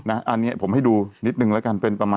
อันนี้ผมให้ดูนิดนึงแล้วกันเป็นประมาณ